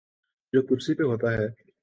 جو کرسی پہ ہوتا ہے۔